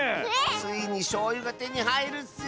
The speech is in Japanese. ついにしょうゆがてにはいるッス！